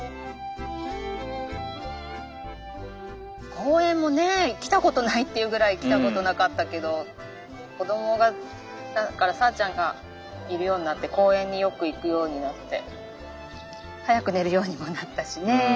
公園もね来たことないっていうぐらい来たことなかったけど子どもがだからさぁちゃんがいるようになって公園によく行くようになって早く寝るようにもなったしね。